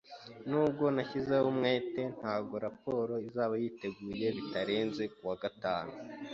Nubwo nashyizeho umwete, ntabwo raporo izaba yiteguye bitarenze kuwa gatanu.